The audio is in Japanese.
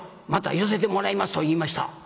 また寄せてもらいますと言いました」。